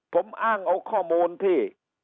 ผมอ้างเอาข้อมูลที่